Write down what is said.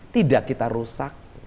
tidak kita rusak